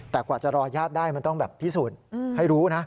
แต่กว่าจะรอญาติได้มันต้องแบบพิสูจน์ให้รู้นะ